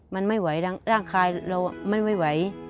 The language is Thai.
มันไม่ไหวร่างกายเรามันไม่ไหว